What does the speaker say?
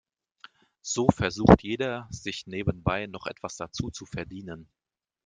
So versucht jeder, sich nebenbei noch etwas dazuzuverdienen.